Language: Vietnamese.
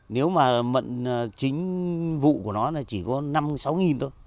nếu mà mận chính vụ của nó chỉ có năm sáu thôi